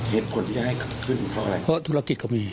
เหตุผลที่จะให้เกิดขึ้นเพราะอะไรเพราะธุรกิจเขามี